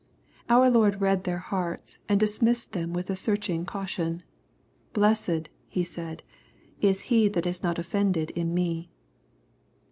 Our Lord read their hearts, and dismissed them with a searching caution. "Blessed," He said, " is he that is not offended in me.'